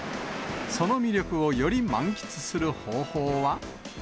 その魅力をより満喫する方法は。